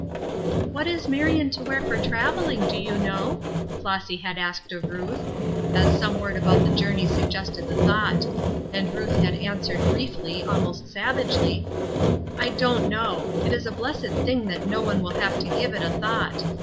" What is Marion to wear for travelling, do you know I " Flossy had asked of Ruth, as some word about the journey suggested the thought. And Ruth had answered Iriefly, al most savagely :" I don't know. It is a blessed thing that no one will have to give it a thought.